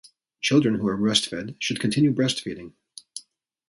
Children who are breastfed should continue breastfeeding.